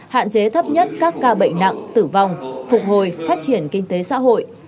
hạn chế thấp nhất các ca bệnh nặng tử vong phục hồi phát triển kinh tế xã hội